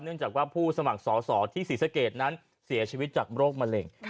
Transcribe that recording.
จากว่าผู้สมัครสอสอที่ศรีสะเกดนั้นเสียชีวิตจากโรคมะเร็ง